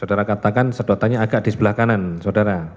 saudara katakan sedotanya agak disebelah kanan saudara